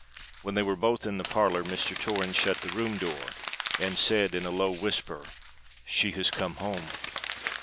When they were both in the parlour, Mr. Torrens shut the room door, and said in a low whisper, "She has come home!"